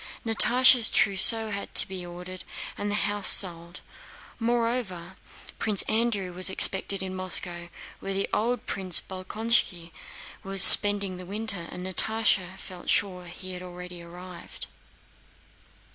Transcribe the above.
Natásha's trousseau had to be ordered and the house sold. Moreover, Prince Andrew was expected in Moscow, where old Prince Bolkónski was spending the winter, and Natásha felt sure he had already arrived.